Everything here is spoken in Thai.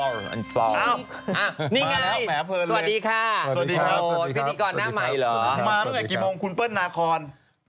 มาตั้งแต่กี่โมงคุณเปิ้ลนาคอน